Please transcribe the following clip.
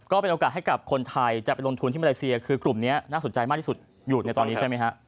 ก็เป็นโอกาสให้กับคนไทยจะไปลงทุนที่มาเลเซียคือกลุ่มนี้น่าสนใจมากที่สุดอยู่ในตอนนี้ใช่ไหมฮะ